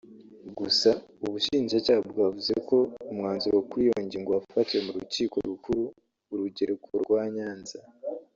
Gusa Ubushinjacyaha bwavuze ko umwanzuro kuri iyo ngingo wafatiwe mu Rukiko Rukuru - Urugereko rwa Nyanza